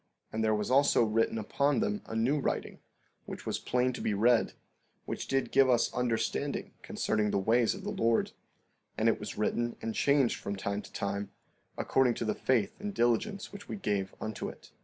16:29 And there was also written upon them a new writing, which was plain to be read, which did give us understanding concerning the ways of the Lord; and it was written and changed from time to time, according to the faith and diligence which we gave unto it.